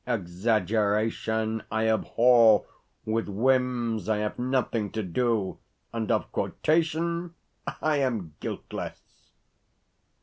Exaggeration I abhor, with whims I have nothing to do, and of quotation I am guiltless.